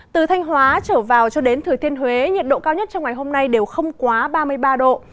từ thanh hóa trở vào cho đến thừa thiên huế nhiệt độ cao nhất trong ngày hôm nay đều không quá ba mươi ba độ